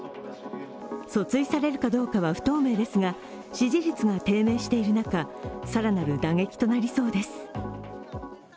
訴追されるかどうかは不透明ですが、支持率が低迷している中、更なる打撃となりそうです。